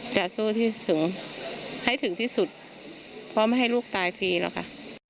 จะสู้ที่ให้ถึงที่สุดเพราะไม่ให้ลูกตายฟรีหรอกค่ะ